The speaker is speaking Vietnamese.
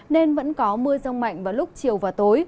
nên vẫn có mưa rông mạnh vào lúc chiều và tối